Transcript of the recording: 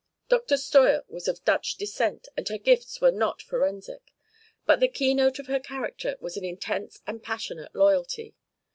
Dr. Steuer was of Dutch descent, and her gifts were not forensic, but the key note of her character was an intense and passionate loyalty.